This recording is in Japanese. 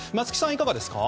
いかがですか？